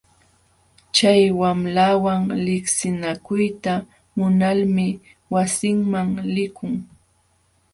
Chay wamlawan liqsinakuyta munalmi wasinman likun.